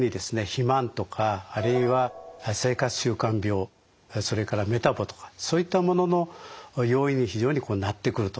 肥満とかあるいは生活習慣病それからメタボとかそういったものの要因に非常になってくると。